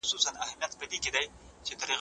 هیڅوک باید د خپل سیاسي نظر په خاطر ونه ځورول سي.